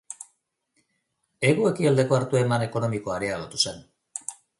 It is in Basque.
Hego-ekialdeko hartu-eman ekonomikoa areagotu zen.